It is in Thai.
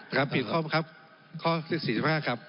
ครับผิดข้อมั้ยครับข้อ๔๕ครับ